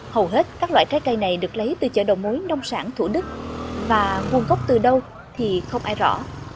hầu hết các loại trái cây này được lấy từ chợ đầu mối nông sản thủ đức và nguồn gốc từ đâu thì không ai rõ